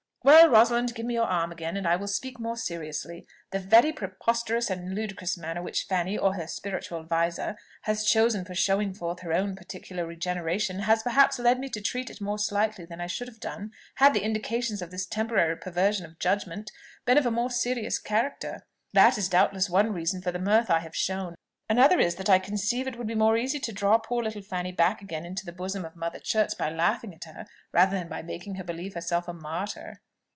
"Well, Rosalind, give me your arm again, and I will speak more seriously. The very preposterous and ludicrous manner which Fanny, or her spiritual adviser, has chosen for showing forth her own particular regeneration, has perhaps led me to treat it more slightly than I should have done had the indications of this temporary perversion of judgment been of a more serious character. That is doubtless one reason for the mirth I have shown. Another is, that I conceive it would be more easy to draw poor little Fanny back again into the bosom of Mother Church by laughing at her, rather than by making her believe herself a martyr."